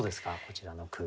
こちらの句。